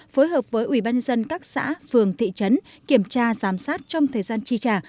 phối hợp với ủy ban dân các xã phường thị trấn kiểm tra giám sát trong thời gian chi trả